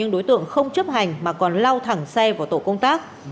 đối tượng không chấp hành mà còn lau thẳng xe vào tổ công tác